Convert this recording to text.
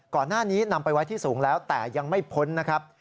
ก่อนหน้านี้นำไปไว้ที่สูงแล้วแต่ยังไม่พ้นนะครับ